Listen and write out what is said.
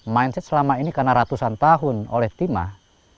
mindset selama ini karena ratusan tahun oleh timah